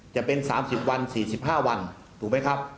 จะเป็น๓๐วัน๔๕วันถูกไหมครับ